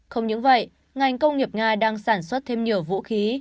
không những vậy ngành công nghiệp nga đang sản xuất thêm nhiều vũ khí